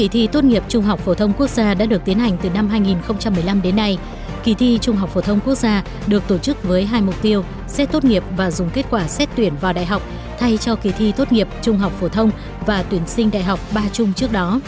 hãy đăng ký kênh để ủng hộ kênh của chúng mình nhé